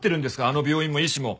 あの病院も医師も。